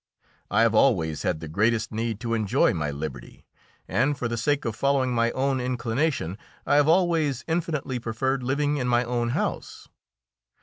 I have always had the greatest need to enjoy my liberty, and, for the sake of following my own inclination, I have always infinitely preferred living in my own house.